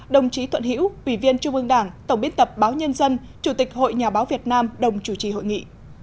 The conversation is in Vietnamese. đồng chí thuận hiễu ủy viên trung ương đảng tổng biên tập báo nhân dân chủ tịch hội nhà báo việt nam đồng chủ trì hội nghị